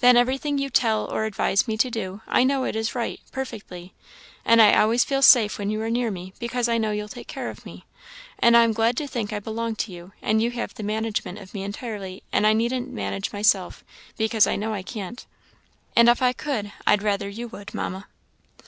Then everything you tell or advise me to do, I know it is right, perfectly. And I always feel safe when you are near me, because I know you'll take care of me. And I am glad to think I belong to you, and you have the management of me entirely, and I needn't manage myself, because I know I can't; and if I could, I'd rather you would, Mamma."